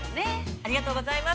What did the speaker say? ◆ありがとうございます。